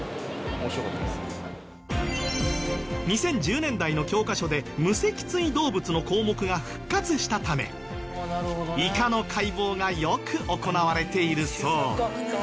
２０１０年代の教科書で無脊椎動物の項目が復活したためイカの解剖がよく行われているそう。